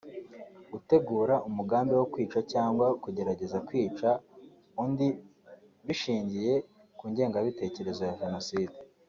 gutegura umugambi wo kwica cyangwa kugerageza kwica undi bishingiye ku ngengabitekerezo ya jenoside